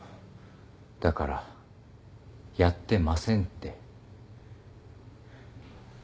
だからやってませんって。